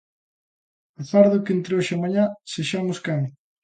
Agardo que entre hoxe e mañá sexamos quen.